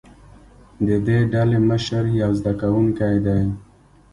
د دې ډلې مشر یو زده کوونکی دی.